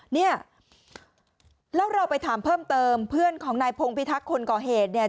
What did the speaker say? เนี่ยแล้วเราไปถามเพิ่มเติมเพื่อนของนายพงพิทักษ์คนก่อเหตุเนี่ย